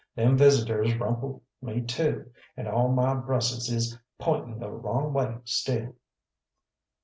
"Them visitors rumpled me too, and all my brussles is pointing the wrong way still."